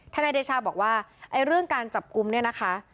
นายเดชาบอกว่าเรื่องการจับกลุ่มเนี่ยนะคะ